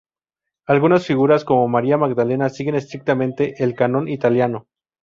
Algunas figuras, como María Magdalena, siguen estrictamente el canon italiano.